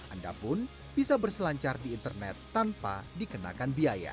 anda pun bisa berselancar di internet tanpa dikenakan biaya